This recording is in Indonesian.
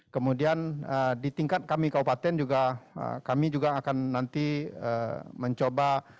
kemudian di tingkat kami kabupaten juga kami juga akan nanti mencoba